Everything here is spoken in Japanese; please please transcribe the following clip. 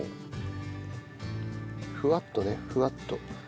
ふわっとねふわっと。